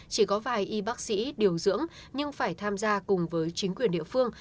chỉ có vài y bác sĩ điều dưỡng nhưng phải tham gia cùng với chính quyền địa phương